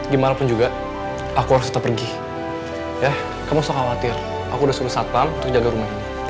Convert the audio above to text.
gimana pun juga aku harus pergi ya kamu soal khawatir aku udah suruh satpam